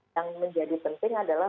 yang menjadi penting adalah